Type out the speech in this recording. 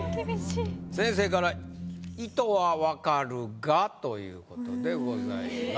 先生から「意図は分かるが」という事でございます。